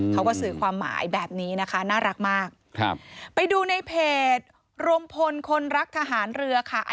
เขาก็สื่อความหมายแบบนี้นะคะน่ารักมากไปดูในเพจรวมพลคนรักทหารเรือค่ะ